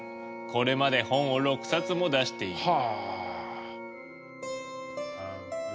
これまで本を６冊も出している。